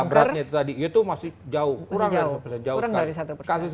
ya beratnya itu tadi itu masih jauh kurang dari satu persen